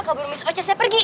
kalo belum miss ocesnya pergi